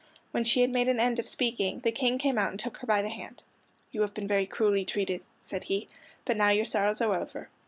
When she had made an end of speaking the King came out and took her by the hand. "You have been very cruelly treated," said he, "but now your sorrows are over."